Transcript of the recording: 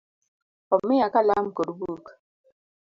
Omiya Kalam kod buk.